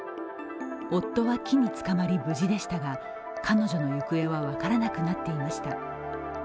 夫は木につかまり無事でしたが、彼女の行方は分からなくなっていました。